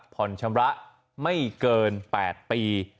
ผ่อนชำระไม่เกิน๘ปี